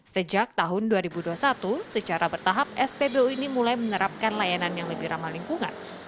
sejak tahun dua ribu dua puluh satu secara bertahap spbu ini mulai menerapkan layanan yang lebih ramah lingkungan